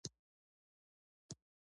غوټۍ په حيرانۍ ورته کتل.